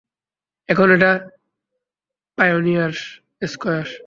এখন এটা Pioneer square.